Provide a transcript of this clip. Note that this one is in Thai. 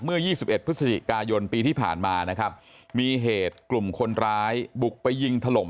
๒๑พฤศจิกายนปีที่ผ่านมานะครับมีเหตุกลุ่มคนร้ายบุกไปยิงถล่ม